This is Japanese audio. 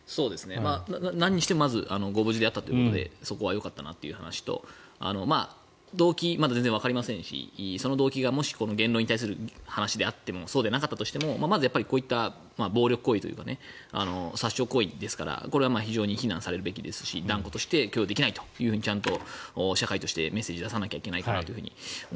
何にしてもまずご無事であったのでよかったなということと動機、まだ全然わかりませんしその動機がもしこの言論に関する話であってもそうでなかったとしてもまずこういった暴力行為というか殺傷行為ですからこれは非常に非難されるべきですし断固として許容できないとちゃんと社会としてメッセージを出さないといけないと。